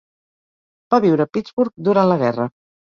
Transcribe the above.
Va viure a Pittsburgh durant la guerra.